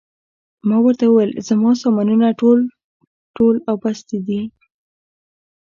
ما ورته وویل: زما سامانونه ټول، ټول او بستې دي.